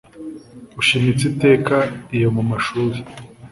Ushimitse iteka iyo mu mashuri